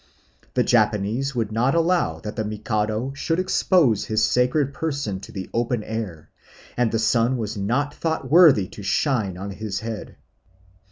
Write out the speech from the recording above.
The Japanese would not allow that the Mikado should expose his sacred person to the open air, and the sun was not thought worthy to shine on his head.